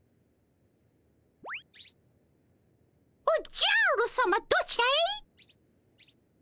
おっじゃるさまどちらへ？